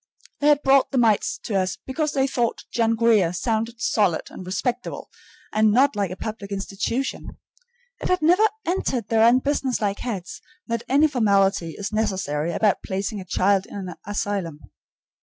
They had brought the mites to us because they thought "John Grier" sounded solid and respectable, and not like a public institution. It had never entered their unbusinesslike heads that any formality is necessary about placing a child in an asylum.